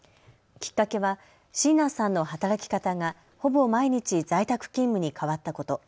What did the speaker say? きっかけは椎名さんの働き方がほぼ毎日、在宅勤務に変わったこと。